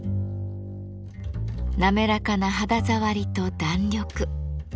滑らかな肌触りと弾力。